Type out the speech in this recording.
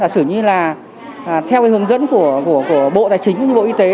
sử như là theo hướng dẫn của bộ tài chính bộ y tế